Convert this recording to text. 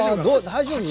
大丈夫？